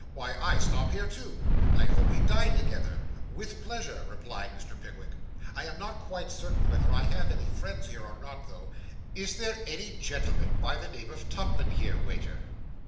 Why, I stop here too. I hope we dine together?' 'With pleasure,' replied Mr. Pickwick. 'I am not quite certain whether I have any friends here or not, though. Is there any gentleman of the name of Tupman here, waiter?